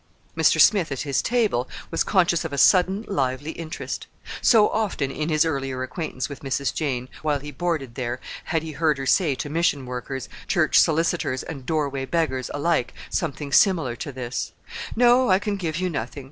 Mr. Smith, at his table, was conscious of a sudden lively interest. So often, in his earlier acquaintance with Mrs. Jane, while he boarded there, had he heard her say to mission workers, church solicitors, and doorway beggars, alike, something similar to this; "No, I can give you nothing.